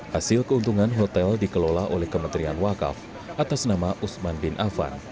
hasil keuntungan hotel dikelola oleh kementerian wakaf atas nama usman bin afan